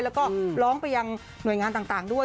แล้วก็ร้องไปยังหน่วยงานต่างด้วย